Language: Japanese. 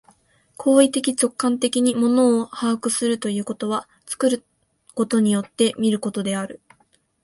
行為的直観的に物を把握するということは、作ることによって見ることである。